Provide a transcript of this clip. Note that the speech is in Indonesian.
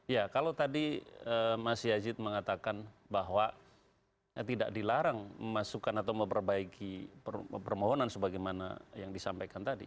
ya kalau tadi mas yajid mengatakan bahwa tidak dilarang memasukkan atau memperbaiki permohonan sebagaimana yang disampaikan tadi